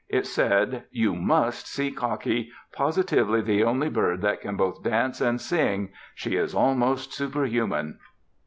It said: "You must see Cockie, Positively the only bird that can both dance and sing. She is almost superhuman."